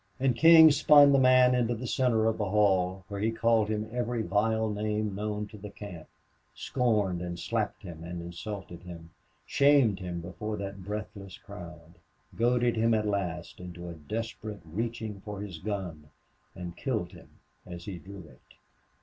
And King spun the man into the center of the hall, where he called him every vile name known to the camp, scorned and slapped and insulted him, shamed him before that breathless crowd, goaded him at last into a desperate reaching for his gun, and killed him as he drew it.